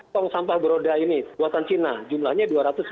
tong sampah beroda ini buatan cina jumlahnya dua ratus lima puluh